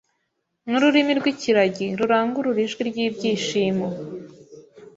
n’ururimi rw’ikiragi rurangurure ijwi ry’ibyishimo